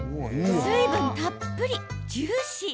水分たっぷりジューシー。